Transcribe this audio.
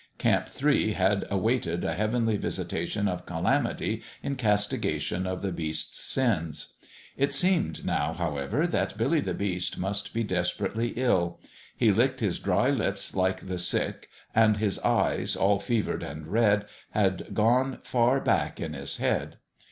Camp Three had awaited a heavenly visitation of calamity in castigation of the Beast's sins. It seemed, now, however, that Billy the Beast must be desperately ill : he licked his dry lips like the sick, and his eyes, all fevered and red, had gone far back in his head.